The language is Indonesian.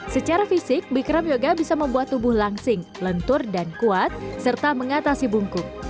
secara fisik bikram yoga bisa membuat tubuh langsing lentur dan kuat serta mengatasi bungkung